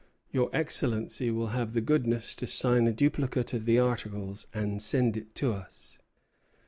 Your Excellency will have the goodness to sign a duplicate of the articles and send it to us.